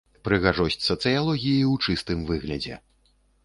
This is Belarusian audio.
Прыгажосць сацыялогіі ў чыстым выглядзе.